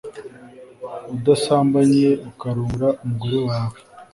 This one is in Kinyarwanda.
Udasambanye ukarongora umugore wawe